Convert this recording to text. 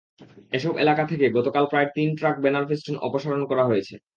এসব এলাকা থেকে গতকাল প্রায় তিন ট্রাক ব্যানার-ফেস্টুন অপসারণ করা হয়েছে।